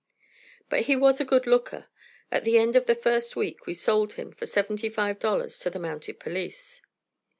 But he was a good looker. At the end of the first week we sold him for seventy five dollars to the Mounted Police.